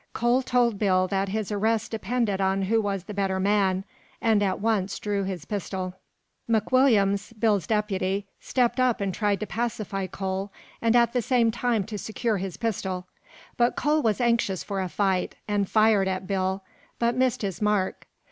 Cole told Bill that his arrest depended upon who was the better man, and at once drew his pistol. McWilliams, Bill's deputy, stepped up and tried to pacify Cole, and at the same time to secure his pistol, but Cole was anxious for a fight and fired at Bill, but missed his mark.